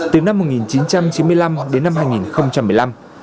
từ năm một nghìn chín trăm chín mươi năm đến năm hai nghìn một mươi năm